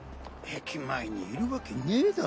駅前にいるわけねぇだろ。